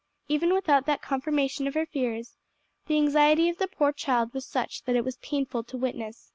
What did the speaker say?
Even without that confirmation of her fears, the anxiety of the poor child was such that it was painful to witness.